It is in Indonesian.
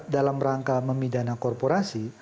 dalam rangka memidana korporasi